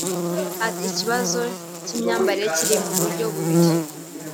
Ati “Ikibazo cy’imyambarire kiri mu buryo bubiri